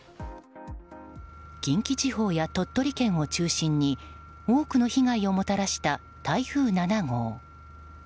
近畿地方や鳥取県を中心に多くの被害をもたらした台風７号。